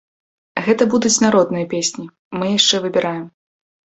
Гэта будуць народныя песні, мы яшчэ выбіраем.